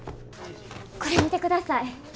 これ見てください。